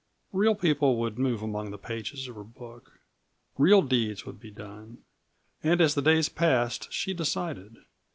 Real people would move among the pages of her book; real deeds would be done. And as the days passed she decided.